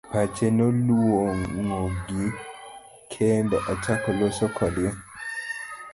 Pache noluong'o gi kendo ochako loso kodgi.